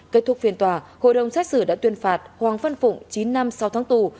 kết thúc phiền tòa hội đồng xét xử đã tuyên phạt hoàng văn phụng chín năm sáu tháng tù